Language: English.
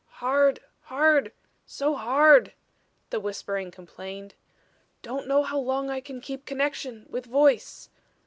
"Hard hard! So hard!" the whispering complained. "Don't know how long I can keep connection with voice.